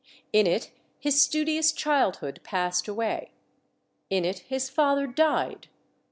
In it his studious childhood passed away. In it his father died.